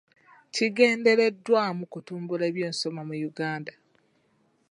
Kigendereddwamu kutumbula ebyensoma mu Uganda.